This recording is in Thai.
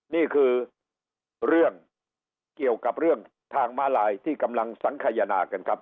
นี่คือเรื่องเกี่ยวกับเรื่องทางม้าลายที่กำลังสังขยนากันครับ